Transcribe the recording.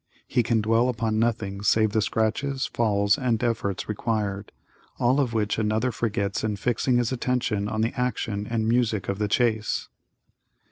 He can dwell upon nothing save the scratches, falls and efforts required, all of which another forgets in fixing his attention on the action and music of the chase.